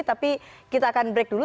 tapi kita akan break dulu